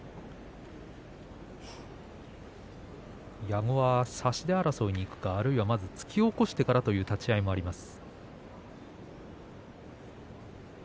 矢後は差し手争いにいくかあるいは突き起こしてからという立ち合いがあります。